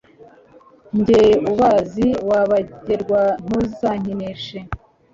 Jye ubazi wabagerwa ntuzankinishe